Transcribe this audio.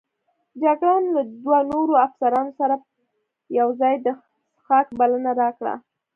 جګړن د له دوو نورو افسرانو سره یوځای د څښاک بلنه راکړه.